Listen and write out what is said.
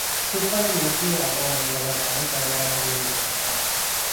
Zubair ibn Awwam என்பவர் படைத் தலைவராக நியமிக்கப்பட்டார்.